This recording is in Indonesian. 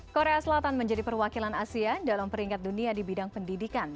korea selatan menjadi perwakilan asia dalam peringkat dunia di bidang pendidikan